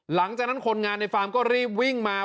หลังจากนั้นคนงานในฟาร์มก็รีบวิ่งมา